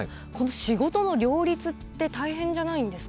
仕事の両立って大変じゃないんですか。